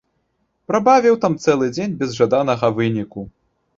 Прабавіў там цэлы дзень без жаданага выніку.